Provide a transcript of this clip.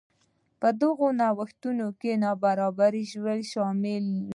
په دغو نوښتونو کې نابرابري شامل وو.